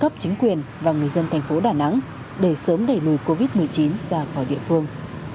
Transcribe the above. các cấp chính quyền và người dân thành phố đà nẵng đều sớm đẩy nùi covid một mươi chín ra khỏi địa phương